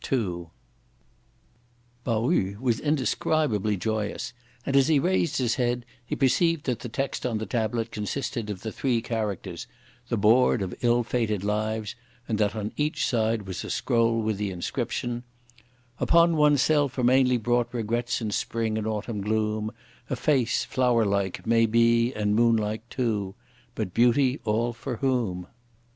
Pao yü was indescribably joyous, and, as he raised his head, he perceived that the text on the tablet consisted of the three characters: the Board of Ill fated lives; and that on each side was a scroll with the inscription: Upon one's self are mainly brought regrets in spring and autumn gloom; A face, flowerlike may be and moonlike too; but beauty all for whom?